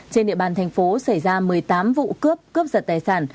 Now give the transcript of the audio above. trên địa bàn thành phố xảy ra một mươi tám vụ cướp cướp giật tài sản